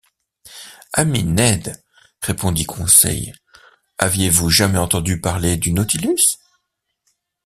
Ami Ned, répondit Conseil, aviez-vous jamais entendu parler du Nautilus ?